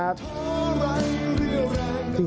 สวัสดีครับ